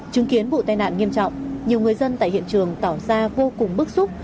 chứng kiến vụ tai nạn nghiêm trọng nhiều người dân tại hiện trường tỏ ra vô cùng bức xúc